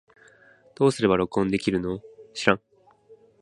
どうすれば録音できるの